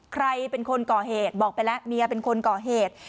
ใครเป็นคนก่อเหตุบอกไปแล้วเมียเป็นคนก่อเหตุ